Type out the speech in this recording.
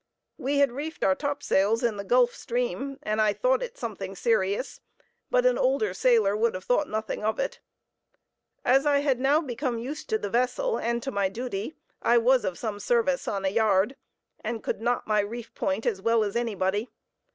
We had reefed our topsails in the Gulf Stream, and I thought it something serious, but an older sailor would have thought nothing of it. As I had now become used to the vessel and to my duty, I was of some service on a yard, and could knot my reef point as well as anybody.